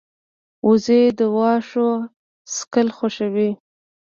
وزې د واښو څکل خوښوي